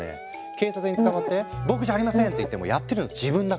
警察に捕まって「ボクじゃありません！」って言ってもやってるの自分だから。